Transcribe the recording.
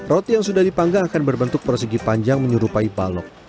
roti yang sudah dipanggar akan berbentuk persegi panjang menyerupai balok